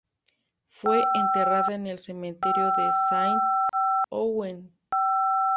Fue enterrada en el cementerio de Saint-Ouen.